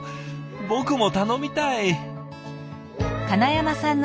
僕も頼みたい。